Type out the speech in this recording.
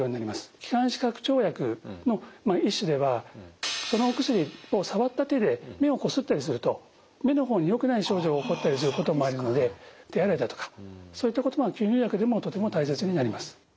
気管支拡張薬の一種ではそのお薬をさわった手で目をこすったりすると目の方によくない症状が起こったりすることもあるので手洗いだとかそういったことが吸入薬でもとても大切になります。